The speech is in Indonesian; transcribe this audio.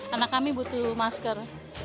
anak kami butuh masker